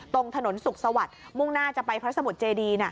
ตรงถนนสุขสวัสดิ์มุ่งหน้าจะไปพระสมุทรเจดี